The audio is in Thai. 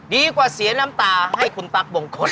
เสียน้ำตาให้คุณตั๊กบงคล